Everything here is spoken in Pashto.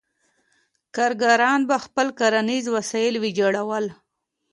کارګران به خپل کرنیز وسایل ویجاړول.